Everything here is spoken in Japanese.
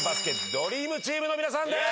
ドリームチームの皆さんです！